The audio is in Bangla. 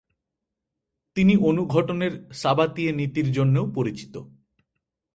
তিনি অনুঘটনের সাবাতিয়ে নীতি'র জন্যও পরিচিত।